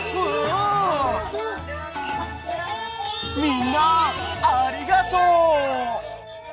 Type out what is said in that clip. みんなありがとう。